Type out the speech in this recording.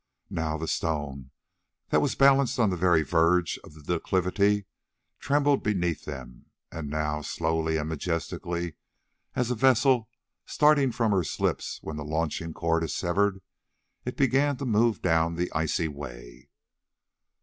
Now the stone, that was balanced on the very verge of the declivity, trembled beneath them, and now, slowly and majestically as a vessel starting from her slips when the launching cord is severed, it began to move down the icy way.